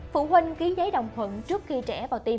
phụ huynh ký giấy đồng thuận trước khi trẻ vào tiêm